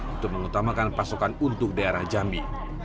untuk mengutamakan pasokan untuk daerah jambi